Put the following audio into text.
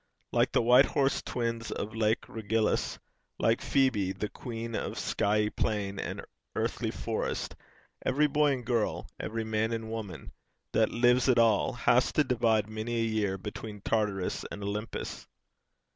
Like the white horsed twins of lake Regillus, like Phoebe, the queen of skyey plain and earthly forest, every boy and girl, every man and woman, that lives at all, has to divide many a year between Tartarus and Olympus.